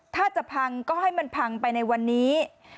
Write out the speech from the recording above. ถ้าจะพังก็ให้มันพังไปในวันนี้